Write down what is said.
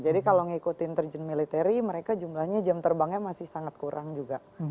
jadi kalau ngikutin terjun militeri mereka jumlahnya jam terbangnya masih sangat kurang juga